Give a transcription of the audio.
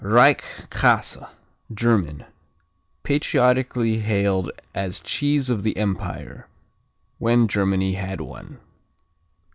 Reichkäse German Patriotically hailed as cheese of the empire, when Germany had one.